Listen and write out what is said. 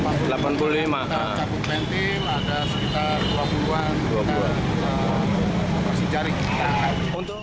mentil ada sekitar dua puluh an